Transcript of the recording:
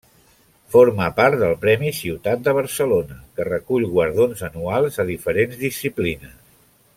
Forma part del Premi Ciutat de Barcelona que recull guardons anuals a diferents disciplines.